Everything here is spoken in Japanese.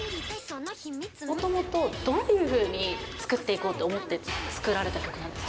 もともとどういうふうに作っていこうと思って作られた曲なんです